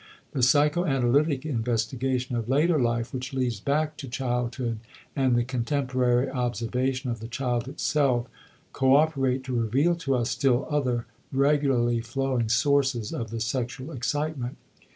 The psychoanalytic investigation of later life which leads back to childhood and the contemporary observation of the child itself coöperate to reveal to us still other regularly flowing sources of the sexual excitement.